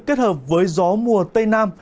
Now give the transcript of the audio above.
kết hợp với gió mùa tây nam